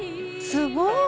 すごい！